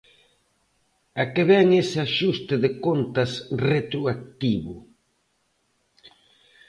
A que vén ese axuste de contas retroactivo?